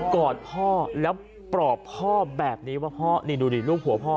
อดพ่อแล้วปลอบพ่อแบบนี้ว่าพ่อนี่ดูดิลูกหัวพ่อ